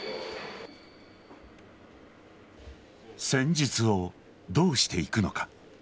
戦術をどうしていくのか。